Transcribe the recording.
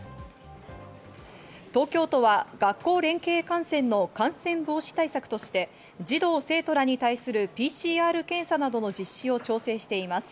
東京都は学校連携観戦の感染防止対策として、児童・生徒らに対するＰＣＲ検査などの実施を調整しています。